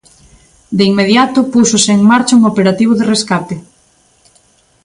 De inmediato púxose en marcha un operativo de rescate.